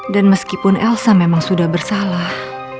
dan meskipun elsa memang sudah bersalah